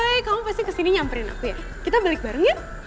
hai boy kamu pasti kesini nyamperin aku ya kita balik bareng ya